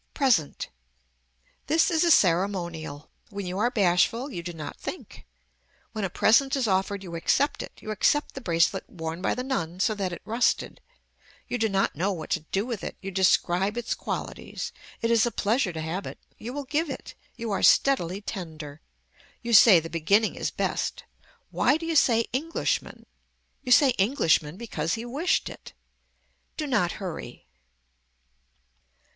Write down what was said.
PRESENT This is a ceremonial. When you are bashful you do not think. When a present is offered you accept it you accept the bracelet worn by the nun so that it rusted. You do not know what to do with it. You describe its qualities. It is a pleasure to have it. You will give it. You are steadily tender. You say the beginning is best. Why do you say Englishman. You say Englishman because he wished it. Do not hurry.